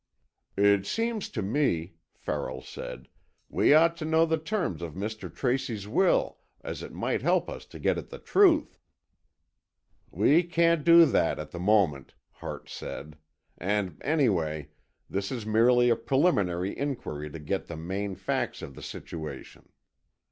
"It seems to me," Farrell said, "we ought to know the terms of Mr. Tracy's will as it might help us to get at the truth." "We can't do that at the moment," Hart said, "and anyway, this is merely a preliminary inquiry to get the main facts of the situation."